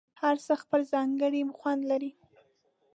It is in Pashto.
هر څه خپل ځانګړی خوند لري.